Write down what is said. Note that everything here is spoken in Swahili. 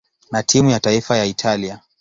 na timu ya taifa ya Italia.